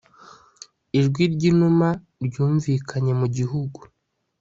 ijwi ry'inuma ryumvikanye mu gihugu